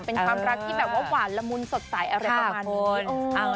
เป็นความรักที่แบบว่าหวานละมุนสดใสอะไรประมาณนี้